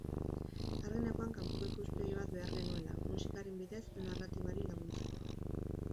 Argi neukan kanpoko ikuspegi bat behar genuela, musikaren bidez narratibari laguntzeko.